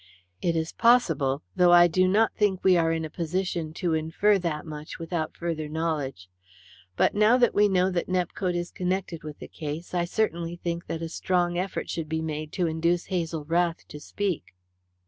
"It is possible, though I do not think we are in a position to infer that much without further knowledge. But now that we know that Nepcote is connected with the case I certainly think that a strong effort should be made to induce Hazel Rath to speak."